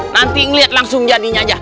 nanti ngeliat langsung jadinya aja